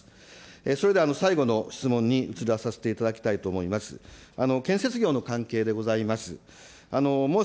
それでは最後の質問に移らさせていただきたいと思います。